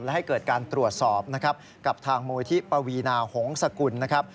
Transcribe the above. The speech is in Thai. และให้เกิดการตรวจสอบนะครับกับทางมูลที่ปวีนาหงษกุลนะครับ